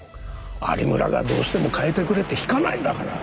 有村がどうしても変えてくれって引かないんだから。